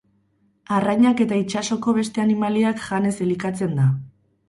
Arrainak eta itsasoko beste animaliak janez elikatzen da.